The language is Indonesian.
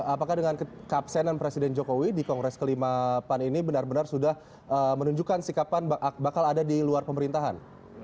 apakah dengan kekabsenan presiden jokowi di kongres kelima pan ini benar benar sudah menunjukkan sikapan bakal ada di luar pemerintahan